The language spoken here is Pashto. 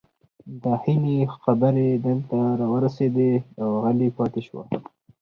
د هيلې خبرې دلته راورسيدې او غلې پاتې شوه